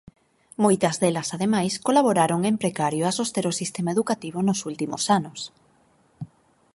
Moitas delas ademais colaboraron en precario a soster o sistema educativo nos últimos anos.